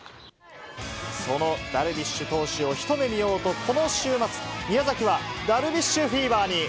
そのダルビッシュ投手を一目見ようと、この週末、宮崎はダルビッシュフィーバーに。